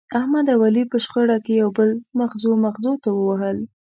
احمد او علي په شخړه کې یو بل مغزو مغزو ته ووهل.